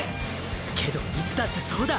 けどいつだってそうだ！！